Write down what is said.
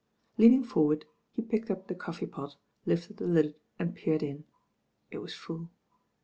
Leaning forward, he picked up the coffee pot, lifted the lid and peered in. It was full.